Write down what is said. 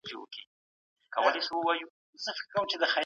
خپل کاري مؤلديت د نويو سيستمونو په کارولو لوړ کړئ.